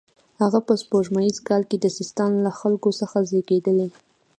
هغه په سپوږمیز کال کې د سیستان له خلکو څخه زیږېدلی.